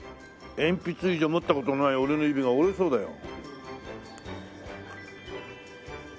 鉛筆以上持った事ない俺の指が折れそうだよ。